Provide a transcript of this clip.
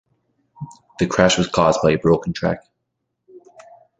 The crash was caused by a broken track.